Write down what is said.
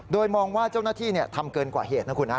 โดยมองว่าเจ้าหน้าที่ทำเกินกว่าเหตุนะคุณฮะ